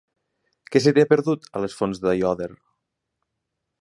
Què se t'hi ha perdut, a les Fonts d'Aiòder?